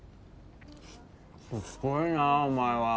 すごいなお前は。